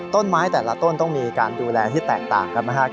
ต้นไม้แต่ละต้นต้องมีการดูแลที่แตกต่างกันไหมครับ